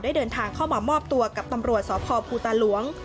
เดินทางเข้ามามอบตัวกับตำรวจสพภูตาหลวง